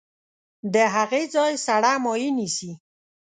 د هغې ځای سړه مایع نیسي.